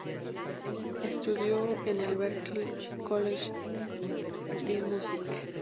Estudió en el Berklee College of Music.